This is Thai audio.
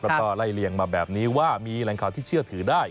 แล้วก็ไล่เลี่ยงมาแบบนี้ว่ามีแหล่งข่าวที่เชื่อถือได้